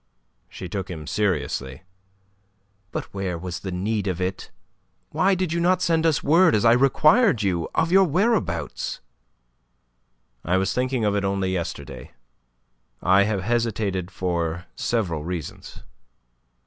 She took him seriously. "But where was the need of it? And why did you not send us word as I required you of your whereabouts?" "I was thinking of it only yesterday. I have hesitated for several reasons."